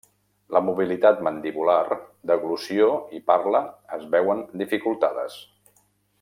La mobilitat mandibular, deglució i parla es veuen dificultades.